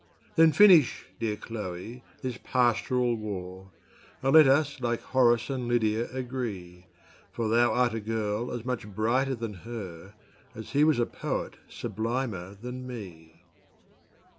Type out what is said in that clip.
Then finish, dear Cloe, this pastoral war; And let us like Horace and Lydia agree: For thou art a girl as much brighter than her As he was a poet sublimer than me.